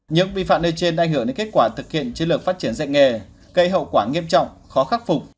những vi phạm nêu trên ảnh hưởng đến kết quả thực hiện chiến lược phát triển dạy nghề gây hậu quả nghiêm trọng khó khắc phục